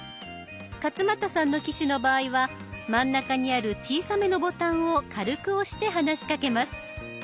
勝俣さんの機種の場合は真ん中にある小さめのボタンを軽く押して話しかけます。